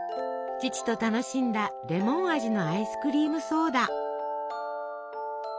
父と楽しんだレモン味のアイスクリームソーダ。